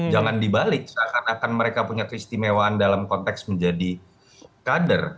jangan dibalik seakan akan mereka punya keistimewaan dalam konteks menjadi kader